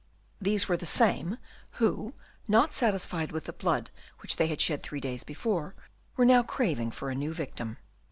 These were the same who, not satisfied with the blood which they had shed three days before, were now craving for a new victim.